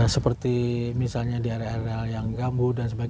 seperti misalnya di area area yang gambu dan sebagainya